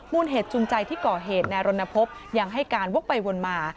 เหตุจุนใจที่ก่อเหตุนายรณพบยังให้การวกไปวนมา